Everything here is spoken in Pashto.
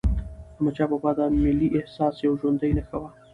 احمدشاه بابا د ملي احساس یوه ژوندي نښه وه.